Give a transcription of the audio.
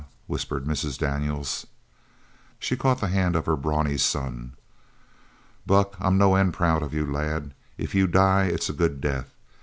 whispered Mrs. Daniels. She caught the hand of her brawny son. "Buck, I'm no end proud of you, lad. If you die, it's a good death!